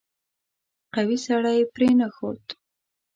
قوي سړی پرې نه ښود.